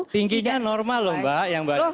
tingginya normal lho mbak yang mbak datangin